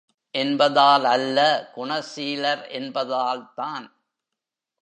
என்பதால் அல்ல குணசீலர் என்பதால்தான்.